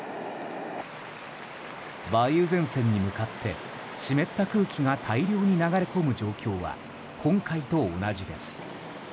梅雨前線に向かって湿った空気が大量に流れ込む状況は今回と同じです。